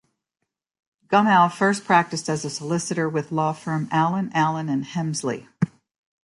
Gummow first practiced as a solicitor with law firm Allen Allen and Hemsley.